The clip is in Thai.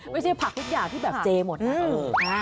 ผักทุกอย่างที่แบบเจหมดนะ